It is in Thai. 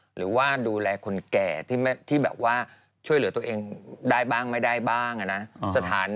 หรือว่าดูแลคนแก่ที่แบบว่าช่วยเหลือตัวเองได้บ้างไม่ได้บ้างนะ